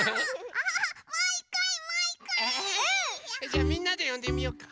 じゃあみんなでよんでみようか。